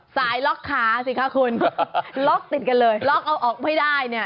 ล็อกขาสิคะคุณล็อกติดกันเลยล็อกเอาออกไม่ได้เนี่ย